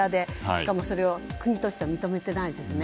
しかもそれを国として認めていないんですね。